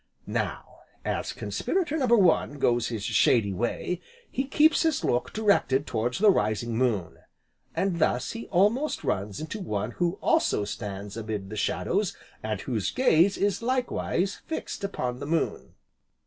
Now, as Conspirator No. One goes his shady way, he keeps his look directed towards the rising moon, and thus he almost runs into one who also stands amid the shadows and whose gaze is likewise fixed upon the moon.